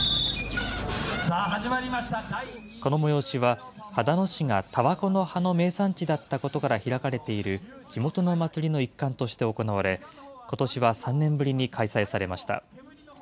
この催しは、秦野市がたばこの葉の名産地だったことから開かれている地元の祭りの一環として行われ、ことしは３年ぶりに開催されました。